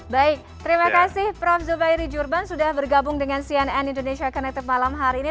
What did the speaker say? baik terima kasih prof zubairi jurban sudah bergabung dengan cnn indonesia connected malam hari ini